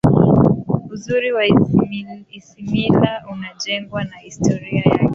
uzuri wa isimila unajengwa na historia yake